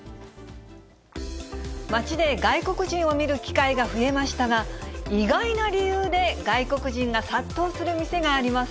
街で外国人を見る機会が増えましたが、意外な理由で、外国人が殺到する店があります。